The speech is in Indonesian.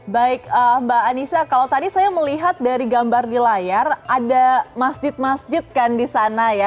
baik mbak anissa kalau tadi saya melihat dari gambar di layar ada masjid masjid kan di sana ya